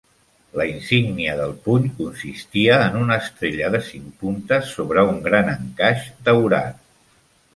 La insígnia del puny consistia en una estrella de cinc puntes sobre un gran encaix daurat.